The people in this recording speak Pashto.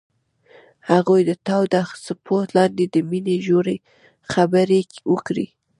هغوی د تاوده څپو لاندې د مینې ژورې خبرې وکړې.